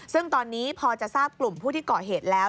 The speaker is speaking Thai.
ซึ่งตอนนี้พอจะทราบกลุ่มผู้ที่ก่อเหตุแล้ว